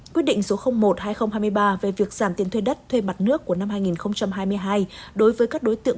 quyết định số một hai nghìn hai mươi ba về việc giảm tiền thuê đất thuê mặt nước của năm hai nghìn hai mươi hai đối với các đối tượng